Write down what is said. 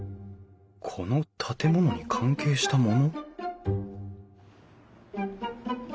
この建物に関係した物？